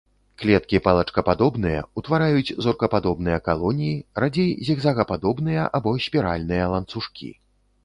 Клеткі палачкападобныя, утвараюць зоркападобныя калоніі, радзей зігзагападобныя або спіральныя ланцужкі.